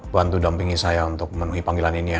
bantu dampingi saya untuk menuhi panggilan ini ya